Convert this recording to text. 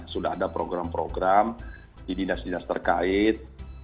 sudah ada program program di dinas dinas terkait